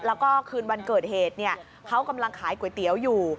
แล้วก็คืนวันเกิดเหตุเขากำลังขายก๋วยเตี๋ยวอยู่